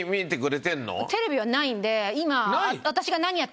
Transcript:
テレビはないので今。